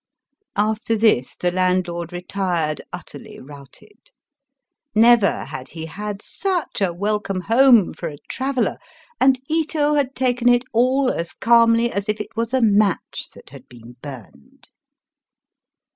After this the landlord retired utterly routed. Never had he had such a welcome home for a traveller, and Ito had taken it all as calmly as if it was a match that had been burned.